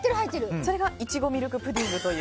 それがいちごミルクプディングという。